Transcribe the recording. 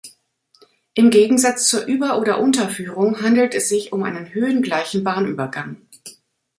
Im Gegensatz zur Über- oder Unterführung handelt es sich um einen höhengleichen Bahnübergang.